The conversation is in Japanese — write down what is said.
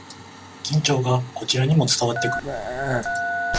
緊張がこちらにも伝わってくる